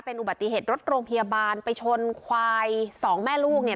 อุบัติเหตุรถโรงพยาบาลไปชนควายสองแม่ลูกเนี่ย